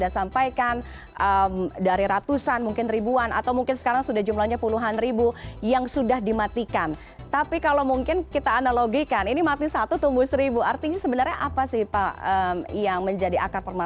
selamat sore pak menteri